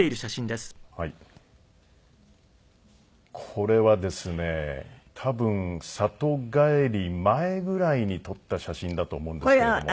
これはですね多分里帰り前ぐらいに撮った写真だと思うんですけれども。